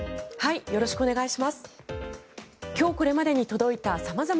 よろしくお願いします。